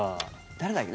誰だっけ？